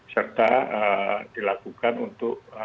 serta dilakukan untuk